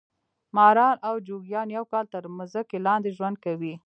ماران او جوګیان یو کال تر مځکې لاندې ژوند کوي.